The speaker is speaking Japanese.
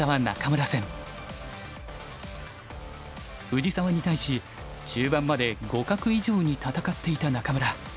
藤沢に対し中盤まで互角以上に戦っていた仲邑。